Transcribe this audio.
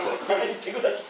「行ってください」。